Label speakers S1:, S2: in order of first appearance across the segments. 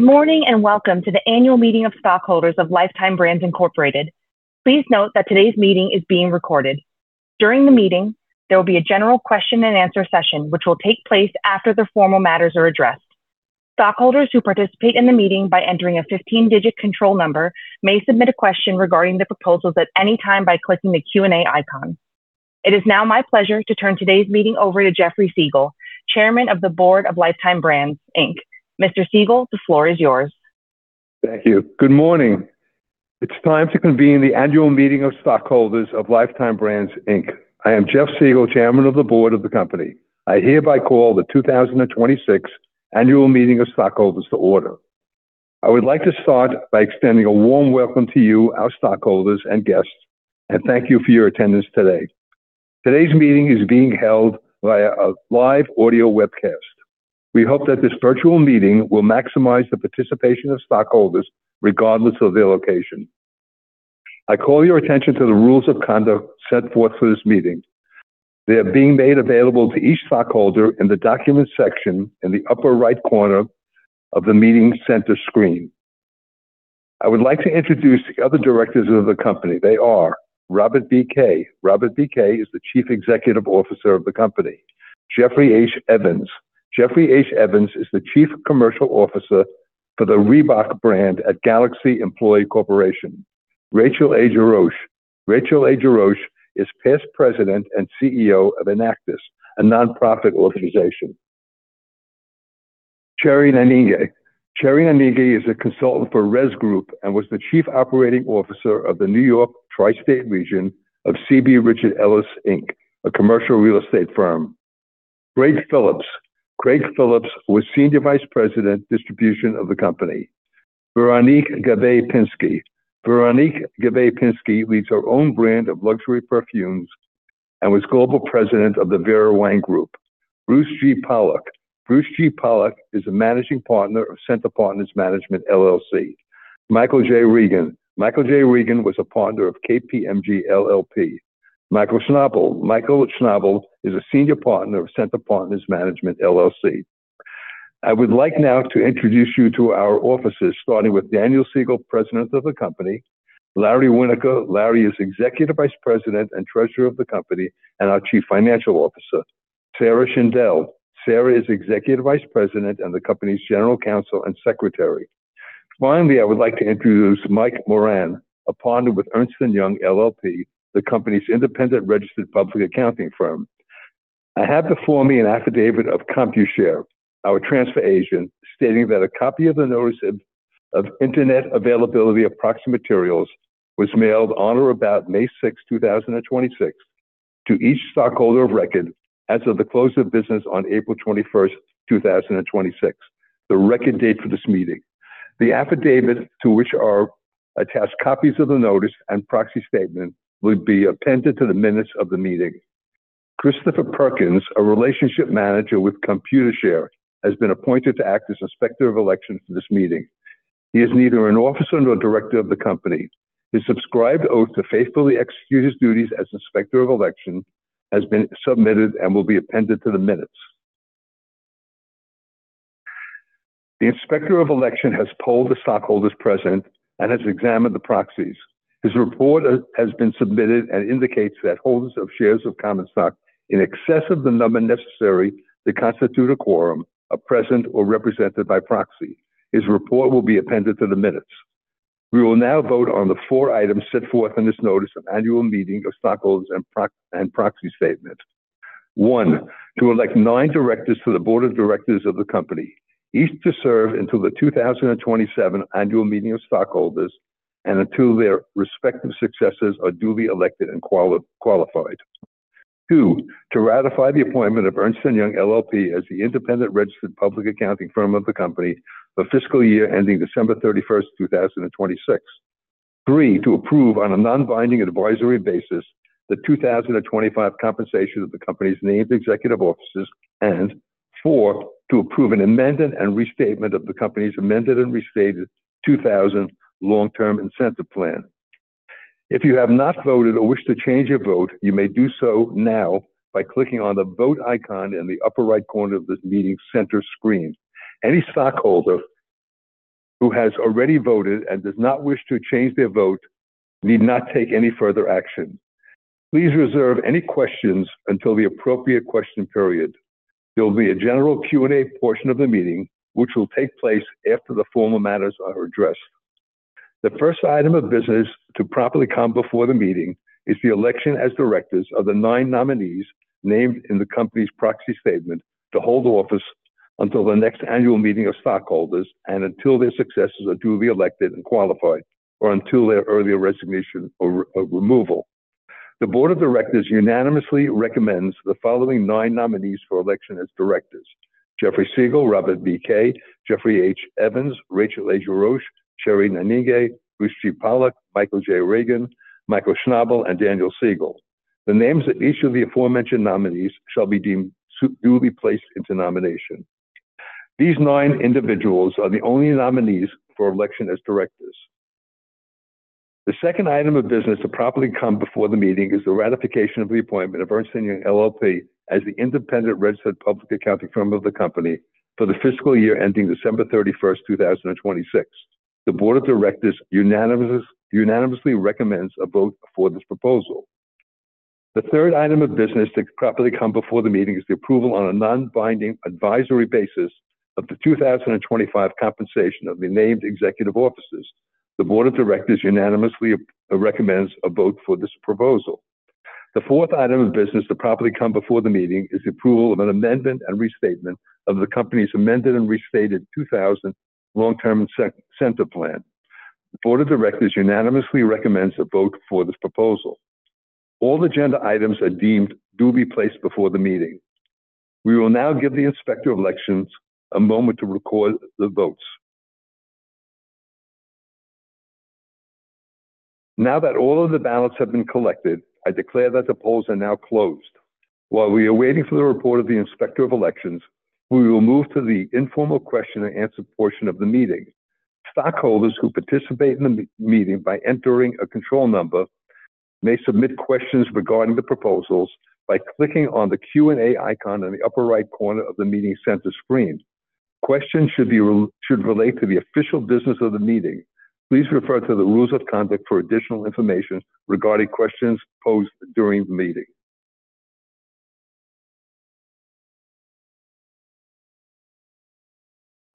S1: Morning, and welcome to the Annual Meeting of Stockholders of Lifetime Brands Incorporated. Please note that today's meeting is being recorded. During the meeting, there will be a general question and answer session, which will take place after the formal matters are addressed. Stockholders who participate in the meeting by entering a 15-digit control number may submit a question regarding the proposals at any time by clicking the Q&A icon. It is now my pleasure to turn today's meeting over to Jeffrey Siegel, Chairman of the Board of Lifetime Brands, Inc. Mr. Siegel, the floor is yours.
S2: Thank you. Good morning. It's time to convene the annual meeting of stockholders of Lifetime Brands, Inc. I am Jeff Siegel, Chairman of the Board of the company. I hereby call the 2026 Annual Meeting of Stockholders to order. I would like to start by extending a warm welcome to you, our stockholders and guests, and thank you for your attendance today. Today's meeting is being held via a live audio webcast. We hope that this virtual meeting will maximize the participation of stockholders regardless of their location. I call your attention to the rules of conduct set forth for this meeting. They're being made available to each stockholder in the documents section in the upper right corner of the meeting center screen. I would like to introduce the other directors of the company. They are Robert B. Kay. Robert B. Kay is the Chief Executive Officer of the company. Jeffrey H. Evans. Jeffrey H. Evans is the Chief Commercial Officer for the Reebok brand at Galaxy Employee Corporation. Rachael A. Jarosh. Rachael A. Jarosh is past President and CEO of Enactus, a nonprofit organization. Cherrie Nanninga. Cherrie Nanninga is a consultant for RESGroup and was the Chief Operating Officer of the New York Tri-State region of CB Richard Ellis, Inc, a commercial real estate firm. Craig Phillips. Craig Phillips was Senior Vice President, Distribution of the company. Veronique Gabai-Pinsky. Veronique Gabai-Pinsky leads her own brand of luxury perfumes and was Global President of the Vera Wang Group. Bruce G. Pollack. Bruce G. Pollack is a Managing Partner of Centre Partners Management LLC. Michael J. Regan. Michael J. Regan was a Partner of KPMG LLP. Michael Schnabel. Michael Schnabel is a Senior Partner of Centre Partners Management LLC. I would like now to introduce you to our officers, starting with Daniel Siegel, President of the company. Larry Winoker. Larry is Executive Vice President and Treasurer of the company and our Chief Financial Officer. Sarah Schindel. Sarah is Executive Vice President and the company's General Counsel and Secretary. Finally, I would like to introduce Mike Moran, a Partner with Ernst & Young LLP, the company's independent registered public accounting firm. I have before me an affidavit of Computershare, our transfer agent, stating that a copy of the notice of Internet availability of proxy materials was mailed on or about May 6, 2026, to each stockholder of record as of the close of business on April 21st, 2026, the record date for this meeting. The affidavit to which are attached copies of the notice and proxy statement will be appended to the minutes of the meeting. Christopher Perkins, a relationship manager with Computershare, has been appointed to act as Inspector of Election for this meeting. He is neither an officer nor director of the company. His subscribed oath to faithfully execute his duties as Inspector of Election has been submitted and will be appended to the minutes. The Inspector of Election has polled the stockholders present and has examined the proxies. His report has been submitted and indicates that holders of shares of common stock in excess of the number necessary to constitute a quorum are present or represented by proxy. His report will be appended to the minutes. We will now vote on the four items set forth in this notice of annual meeting of stockholders and proxy statement. One, to elect nine directors to the board of directors of the company, each to serve until the 2027 Annual Meeting of Stockholders and until their respective successors are duly elected and qualified. Two, to ratify the appointment of Ernst & Young LLP as the independent registered public accounting firm of the company for fiscal year ending December 31st, 2026. Three, to approve on a non-binding advisory basis the 2025 compensation of the company's named executive officers. Four, to approve an amended and restatement of the company's amended and restated 2000 long-term incentive plan. If you have not voted or wish to change your vote, you may do so now by clicking on the vote icon in the upper right corner of this meeting center screen. Any stockholder who has already voted and does not wish to change their vote need not take any further action. Please reserve any questions until the appropriate question period. There will be a general Q&A portion of the meeting, which will take place after the formal matters are addressed. The first item of business to properly come before the meeting is the election as directors of the nine nominees named in the company's proxy statement to hold office until the next annual meeting of stockholders and until their successors are duly elected and qualified, or until their earlier resignation or removal. The board of directors unanimously recommends the following nine nominees for election as directors: Jeffrey Siegel, Robert B. Kay, Jeffrey H. Evans, Rachael A. Jarosh, Cherrie Nanninga, Bruce G. Pollack, Michael J. Regan, Michael Schnabel, and Daniel Siegel. The names that each of the aforementioned nominees shall be deemed duly placed into nomination. These nine individuals are the only nominees for election as directors. The second item of business to properly come before the meeting is the ratification of the appointment of Ernst & Young LLP as the independent registered public accounting firm of the company for the fiscal year ending December 31st, 2026. The board of directors unanimously recommends a vote for this proposal. The third item of business to properly come before the meeting is the approval on a non-binding advisory basis of the 2025 compensation of the named executive officers. The board of directors unanimously recommends a vote for this proposal. The fourth item of business to properly come before the meeting is the approval of an amendment and restatement of the company's amended and restated 2000 long-term incentive plan. The board of directors unanimously recommends a vote for this proposal. All agenda items are deemed to be placed before the meeting. We will now give the inspector of elections a moment to record the votes. Now that all of the ballots have been collected, I declare that the polls are now closed. While we are waiting for the report of the inspector of elections, we will move to the informal question and answer portion of the meeting. Stockholders who participate in the meeting by entering a control number may submit questions regarding the proposals by clicking on the Q&A icon in the upper right corner of the meeting center screen. Questions should relate to the official business of the meeting. Please refer to the rules of conduct for additional information regarding questions posed during the meeting.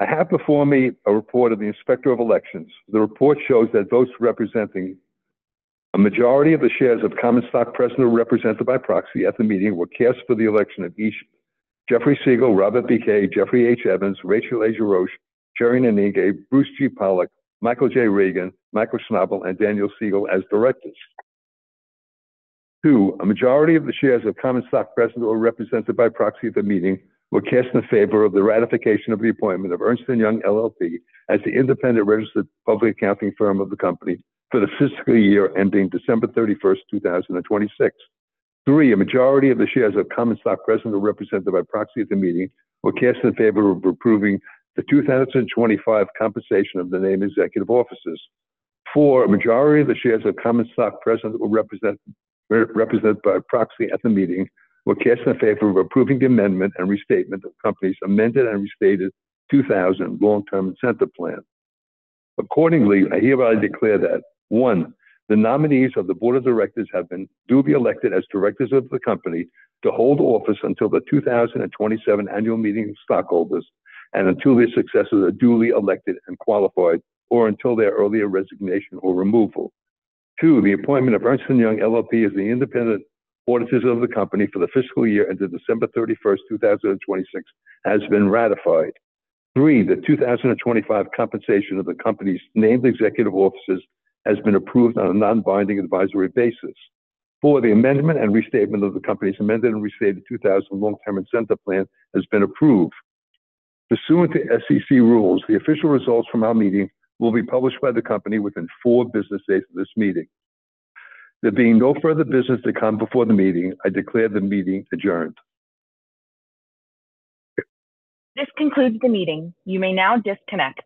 S2: I have before me a report of the inspector of elections. The report shows that votes representing a majority of the shares of common stock present or represented by proxy at the meeting were cast for the election of each, Jeffrey Siegel, Robert B. Kay, Jeffrey H. Evans, Rachael A. Jarosh, Cherrie Nanninga, Bruce G. Pollack, Michael J. Regan, Michael Schnabel, and Daniel Siegel as directors. Two, a majority of the shares of common stock present or represented by proxy at the meeting were cast in favor of the ratification of the appointment of Ernst & Young LLP as the independent registered public accounting firm of the company for the fiscal year ending December 31st, 2026. Three, a majority of the shares of common stock present or represented by proxy at the meeting were cast in favor of approving the 2025 compensation of the named executive officers. Four, a majority of the shares of common stock present or represented by proxy at the meeting were cast in favor of approving the amendment and restatement of the company's amended and restated 2000 long-term incentive plan. Accordingly, I hereby declare that, one, the nominees of the board of directors have been duly elected as directors of the company to hold office until the 2027 Annual Meeting of Stockholders and until their successors are duly elected and qualified, or until their earlier resignation or removal. Two, the appointment of Ernst & Young LLP as the independent auditors of the company for the fiscal year ending December 31st, 2026, has been ratified. Three, the 2025 compensation of the company's named executive officers has been approved on a non-binding advisory basis. Four, the amendment and restatement of the company's amended and restated 2000 long-term incentive plan has been approved. Pursuant to SEC rules, the official results from our meeting will be published by the company within four business days of this meeting. There being no further business to come before the meeting, I declare the meeting adjourned.
S1: This concludes the meeting. You may now disconnect.